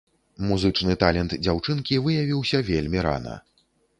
Музычны талент дзяўчынкі выявіўся вельмі рана.